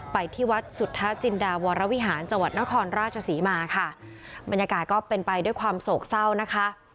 ไปที่วัดสุทธาจินดาวรวิหารจังหวัดนครราชศรีมาค่ะบรรยากาศก็เป็นไปด้วยความโศกเศร้านะคะ